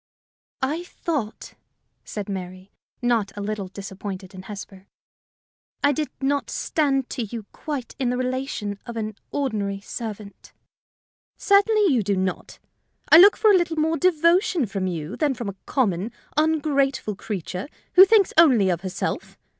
"I thought," said Mary, not a little disappointed in Hesper, "I did not stand to you quite in the relation of an ordinary servant." "Certainly you do not: I look for a little more devotion from you than from a common, ungrateful creature who thinks only of herself.